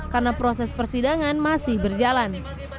karena proses persidangan masih berjalan